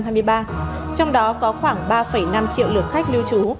trong đó có khoảng ba năm triệu lượt khách lưu trú